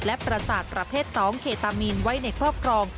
และประสาทประเภท๒เคตามีนไว้ในครอบครอง